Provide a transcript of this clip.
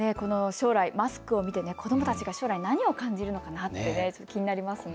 将来、マスクを見て子どもたちが何を感じるのか気になりますね。